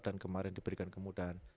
dan kemarin diberikan kemudahan